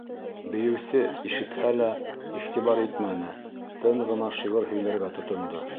«Бейеүсе» ишетһә лә, иғтибар итмәне, тын ғына шиғыр һөйләргә тотондо.